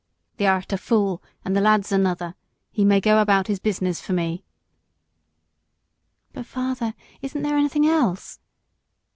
"Thee'rt a fool, and the lad's another. He may go about his business for me." "But, father, isn't there anything else?"